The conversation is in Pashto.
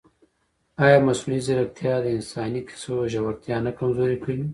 ایا مصنوعي ځیرکتیا د انساني کیسو ژورتیا نه کمزورې کوي؟